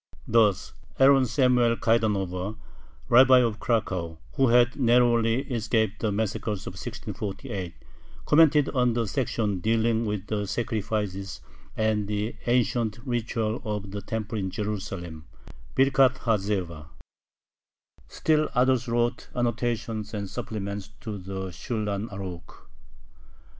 Thus Aaron Samuel Kaidanover, Rabbi of Cracow, who had narrowly escaped the massacres of 1648, commented on the section dealing with the sacrifices and the ancient ritual of the temple in Jerusalem (Birkhath ha Zebah). Still others wrote annotations and supplements to the Shulhan Arukh.